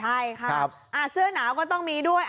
ใช่ค่ะเสื้อหนาวก็ต้องมีด้วย